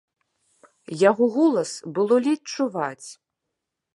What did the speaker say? Яго голас было ледзь чуваць.